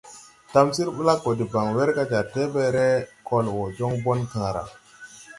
Tamsir blaggo deban werga jar tebęęre kol wo go jon bon kããra.